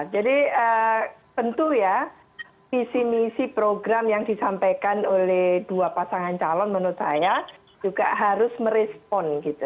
jadi tentu ya misi misi program yang disampaikan oleh dua pasangan calon menurut saya juga harus merespon gitu